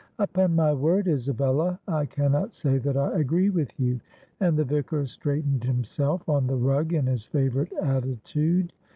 "Upon my word, Isabella, I cannot say that I agree with you." And the Vicar straightened himself on the rug in his favourite attitude.